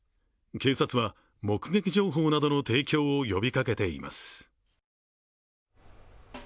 警察は目撃情報などの提供を呼びかけています。